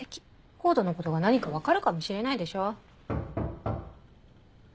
ＣＯＤＥのことが何か分かるかもしれないでしょ。